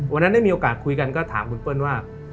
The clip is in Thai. วันนั้นได้มีโอกาสคุยกันก็ถามคุณเปิ้ลว่า